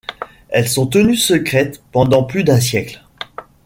Elles sont tenues secrètes pendant plus d'un siècle.